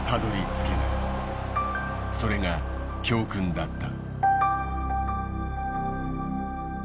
それが教訓だった。